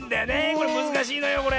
これむずかしいのよこれ。